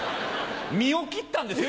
身を切ったんですよ？